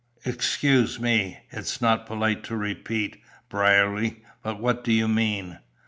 Excuse me, it's not polite to repeat, Brierly, but what do you mean?"